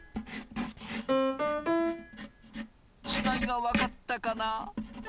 違いが分かったかな？